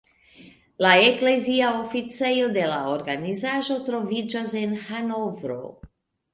La eklezia oficejo de la organizaĵo troviĝas en Hanovro.